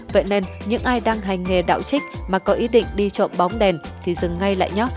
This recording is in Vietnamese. vậy nên những ai đang hành nghề đạo trích mà có ý định đi trộm bóng đèn thì dừng ngay lại nhóc